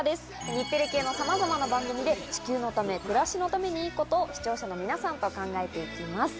日テレ系のさまざまな番組で、地球のため、暮らしのためにいいことを視聴者の皆さんと考えていきます。